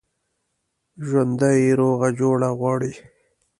ژوندي روغه جوړه غواړي